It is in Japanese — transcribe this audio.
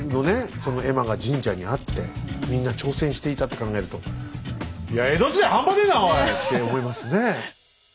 その絵馬が神社にあってみんな挑戦していたって考えると「いや江戸時代半端ねえなおい！」って思いますね。